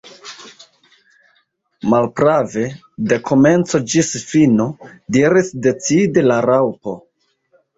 "Malprave, de komenco ĝis fino," diris decide la Raŭpo.